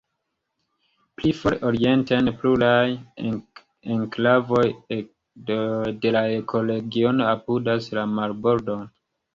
Pli fore orienten, pluraj enklavoj de la ekoregiono apudas la marbordon.